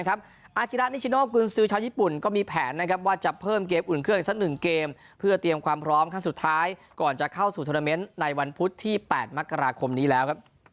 อากิระนิชิโนกุญซือชาวญี่ปุ่นก็มีแผนว่าจะเพิ่มเกมอุ่นเครื่องอีกสัก๑เกมเพื่อเตรียมความพร้อมครั้งสุดท้ายก่อนจะเข้าสู่โทรเมนต์ในวันพุธที่๘มกราคมนี้แล้ว